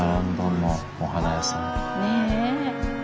ねえ。